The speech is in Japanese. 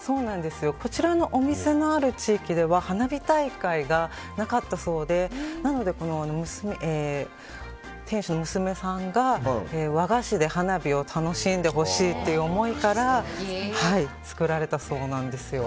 こちらのお店のある地域では花火大会がなかったそうでなので店主の娘さんが和菓子で花火を楽しんでほしいという思いから作られたそうなんですよ。